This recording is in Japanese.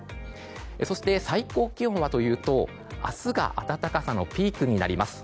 そして最高気温は明日が暖かさのピークになります。